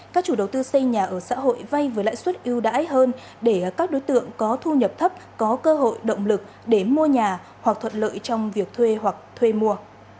các chủ đầu tư xây nhà ở xã hội vay với lãi suất ưu đãi hơn để các đối tượng có thu nhập thấp có cơ hội động lực để mua nhà hoặc thuận lợi trong việc thuê hoặc thuê mua